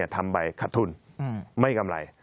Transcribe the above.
ทำใบขัดทุนไม่กำไร